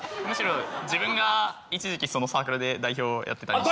むしろ自分が一時期そのサークルで代表やってた。